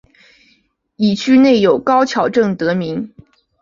以区内有高桥镇得名。